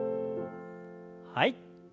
はい。